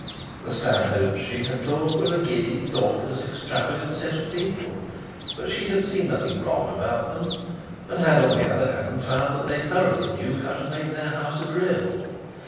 The Stanhopes, she had thought, were a giddy, thoughtless, extravagant set of people; but she had seen nothing wrong about them, and had, on the other hand, found that they thoroughly knew how to make their house agreeable.